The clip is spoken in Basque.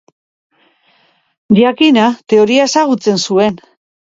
Jakina, teoria ezagutzen zuen.